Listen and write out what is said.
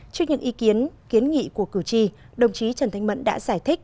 trước những ý kiến kiến nghị của cử tri đồng chí trần thanh mẫn đã giải thích